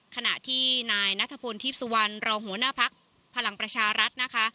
ขณะที่นายนัทพลทีพสุวรรณรองหัวหน้าพักพลังประชารัฐนะคะ